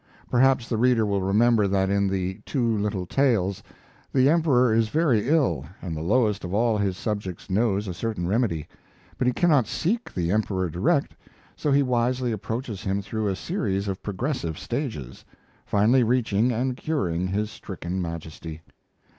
Perhaps the reader will remember that in the "Two Little Tales" the Emperor is very ill and the lowest of all his subjects knows a certain remedy, but he cannot seek the Emperor direct, so he wisely approaches him through a series of progressive stages finally reaching and curing his stricken Majesty.